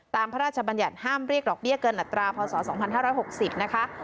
พระราชบัญญัติห้ามเรียกดอกเบี้ยเกินอัตราพศ๒๕๖๐นะคะ